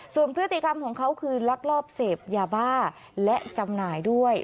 ส่วนพฤติกรรมของเขาคือลักลอบเสพยาบ้าและจำหน่ายด้วย